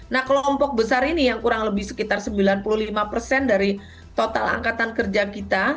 nah kelompok besar ini yang kurang lebih sekitar sembilan puluh lima persen dari total angkatan kerja kita